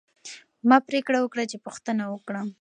ما پریکړه وکړه چې پوښتنه وکړم.